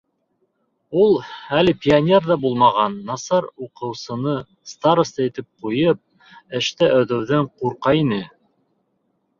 Ул, әле пионер ҙа булмаған насар уҡыусыны староста итеп ҡуйып, эште өҙөүҙән ҡурҡа ине.